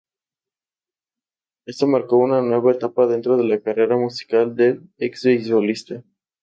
Esto marcó una nueva etapa dentro de la carrera musical del ex beisbolista.